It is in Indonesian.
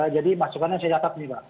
jadi masukannya saya dapat nih pak